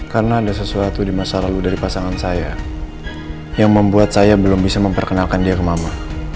karena ada sesuatu di masa lalu dari pasangan saya yang membuat saya belum bisa memperkenalkan dia ke mama